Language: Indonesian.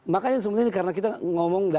makanya sebenarnya ini karena kita ngomong